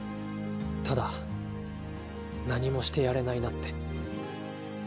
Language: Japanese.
ただ何もしてやれないなって。